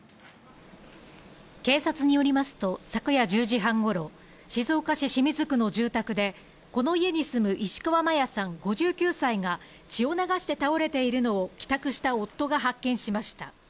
警察によりますと昨夜１０時半頃、静岡市清水区の住宅で、この家に住む石川真矢さん、５９歳が血を流して倒れているのを帰宅した夫が発見しました。